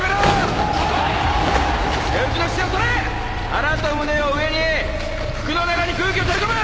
腹と胸を上に服の中に空気を取り込む！